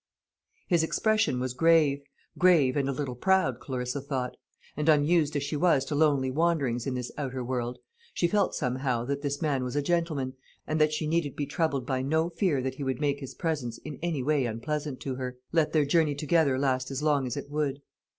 His expression was grave grave and a little proud, Clarissa thought; and, unused as she was to lonely wanderings in this outer world, she felt somehow that this man was a gentleman, and that she need be troubled by no fear that he would make his presence in any way unpleasant to her, let their journey together last as long as it would.